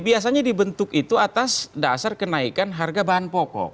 biasanya dibentuk itu atas dasar kenaikan harga bahan pokok